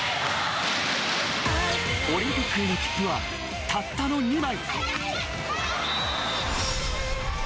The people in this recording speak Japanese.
オリンピックへの切符はたったの２枚。